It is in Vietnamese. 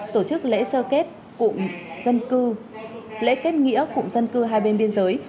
tổ chức lễ sơ kết cụm dân cư lễ kết nghĩa cụm dân cư hai bên biên giới